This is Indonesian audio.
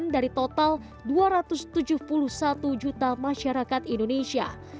dari total dua ratus tujuh puluh satu juta masyarakat indonesia